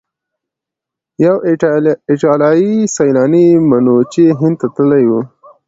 یو ایټالیایی سیلانی منوچي هند ته تللی و.